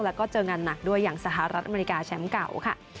แล้วก็เจองานหนักด้วยอย่างสหรัฐอเมริกาแชมป์เก่าค่ะ